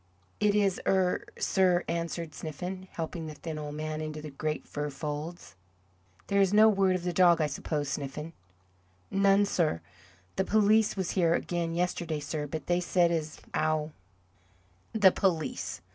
"It is 'ere, sir," answered Sniffen, helping the thin old man into the great fur folds. "There is no word of the dog, I suppose, Sniffen?" "None, sir. The police was here again yesterday sir, but they said as 'ow " "The police!"